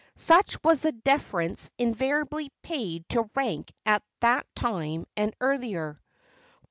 Such was the deference invariably paid to rank at that time and earlier.